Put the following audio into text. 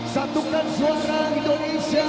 satukan suara indonesia